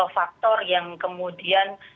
faktor yang kemudian